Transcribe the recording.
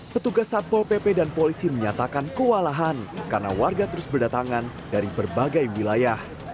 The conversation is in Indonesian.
petugas satpol pp dan polisi menyatakan kewalahan karena warga terus berdatangan dari berbagai wilayah